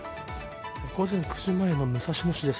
午前９時前の武蔵野市です。